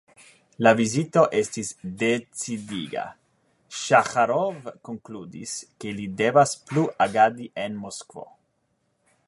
La vizito estis decidiga: Saĥarov konkludis, ke li devas plu agadi en Moskvo.